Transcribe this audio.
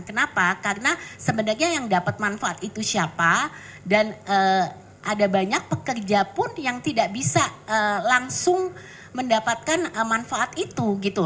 kenapa karena sebenarnya yang dapat manfaat itu siapa dan ada banyak pekerja pun yang tidak bisa langsung mendapatkan manfaat itu gitu